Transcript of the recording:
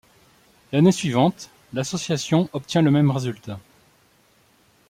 L'année suivante, l'association obtient le même résultat.